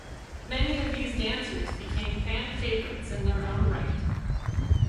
Many of these dancers became fan favorites in their own right.